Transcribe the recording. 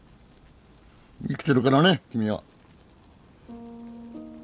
生きてるからね君は。